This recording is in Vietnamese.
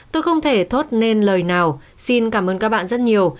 tôi không thể thốt nên lời nào xin cảm ơn các bạn rất nhiều